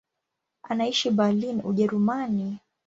Anaishi Berlin, Ujerumani.